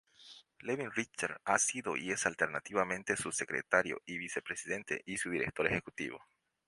Lewin-Richter ha sido y es, alternativamente, su secretario y vicepresidente y su director ejecutivo.